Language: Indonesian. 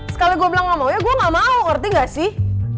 sekali gue bilang gak mau ya gue gak mau ngerti gak sih